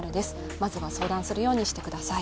まずは相談するようにしてください。